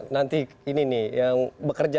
nanti ini nih yang bekerja